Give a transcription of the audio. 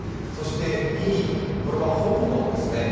そして２位、これは香港ですね。